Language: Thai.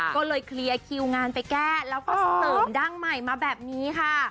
ก็เลยเคลียร์คิวงานไปแก้แล้วก็เสริมดั้งใหม่มาแบบนี้ค่ะ